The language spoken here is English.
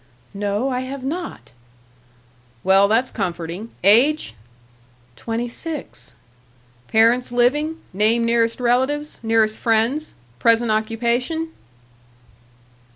"No, I have not." "Well, that's comforting.... Age?" "Twenty six." "Parents living? Name nearest relatives? Nearest friends? Present occupation?"